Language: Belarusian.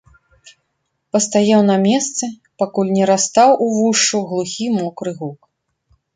Пастаяў на месцы, пакуль не растаў увушшу глухі мокры гук.